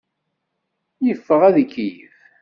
Yeffeɣ ad ikeyyef.